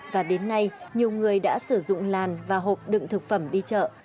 và đến nay nhiều người đã sử dụng làn và hộp đựng thực phẩm đi chợ